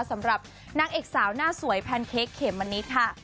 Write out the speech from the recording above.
สำหรับนางเอกสาวหน้าสวยแพนเค้กเขมมะนิดค่ะ